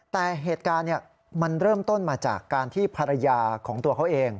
แต่เหตุการณ์มันเริ่มต้นมาจากการที่ภรรยาของตัวเขาเอง